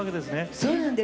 そうなんです。